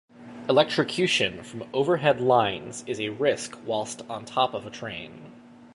Electrocution from overhead lines is a risk whilst on top of a train.